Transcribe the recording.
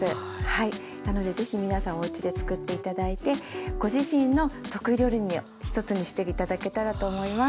なのでぜひ皆さんおうちで作って頂いてご自身の得意料理の一つにして頂けたらと思います。